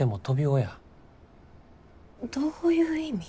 どういう意味？